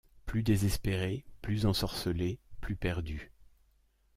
plus désespéré, plus ensorcelé, plus perdu!